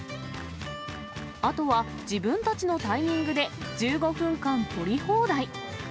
あとは自分たちのタイミングで、１５分間撮り放題。